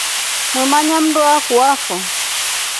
Mwemanya mndu akuafo.